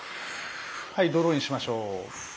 はいドローインしましょう。